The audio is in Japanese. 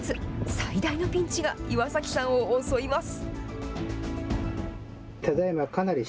最大のピンチが岩崎さんを襲います。